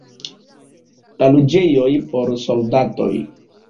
La loĝejoj por soldatoj.